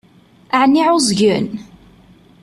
Ɛni ɛuẓgen?